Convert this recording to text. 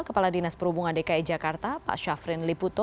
kepala dinas perhubungan dki jakarta pak syafrin liputo